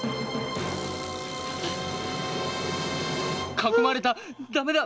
囲まれた駄目だ。